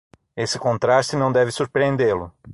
Esse contraste não deve surpreendê-lo.